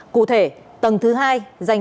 cụ thể tầng thứ hai dành cho trạm y tế lưu động